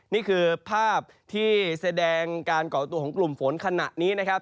นี่คือภาพที่แสดงการก่อตัวของกลุ่มฝนขณะนี้นะครับ